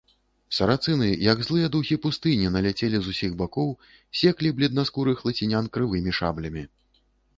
Сарацыны, як злыя духі пустыні, наляцелі з усіх бакоў, секлі бледнаскурых лацінян крывымі шаблямі.